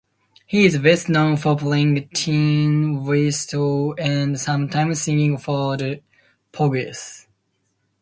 He is best known for playing tin whistle and sometimes singing for The Pogues.